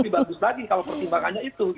lebih bagus lagi kalau pertimbangannya itu